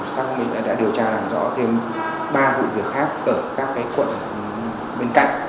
xác minh đã điều tra làm rõ thêm ba vụ việc khác ở các quận bên cạnh